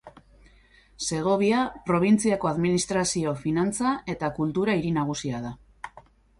Segovia probintziako administrazio, finantza eta kultura hiri nagusia da.